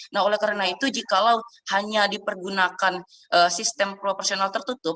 nah oleh karena itu jikalau hanya dipergunakan sistem proporsional tertutup